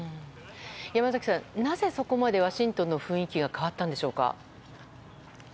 山崎さん、なぜそこまでワシントンの雰囲気が変わったのでしょうか？